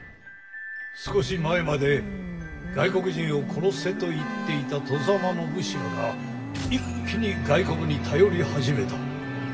少し前まで「外国人を殺せ」と言っていた外様の武士らが一気に外国に頼り始めた。